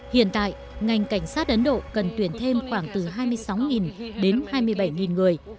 hiện tại ngành cảnh sát ấn độ cần tuyển thêm khoảng từ hai mươi sáu đến hai mươi bảy người